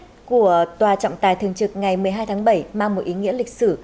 tết của tòa trọng tài thường trực ngày một mươi hai tháng bảy mang một ý nghĩa lịch sử